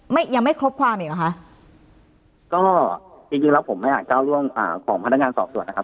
ยังไม่ยังไม่ครบความอีกหรอคะก็จริงจริงแล้วผมไม่อาจก้าวร่วงอ่าของพนักงานสอบสวนนะครับ